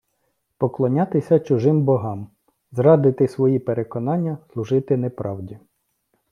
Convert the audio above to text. Поклонятися чужим богам - зрадити свої переконання, служити неправді